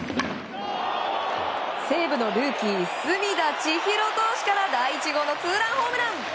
西武のルーキー隅田知一郎選手から第１号のツーランホームラン。